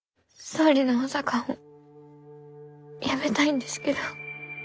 総理の補佐官を辞めたいんですけど。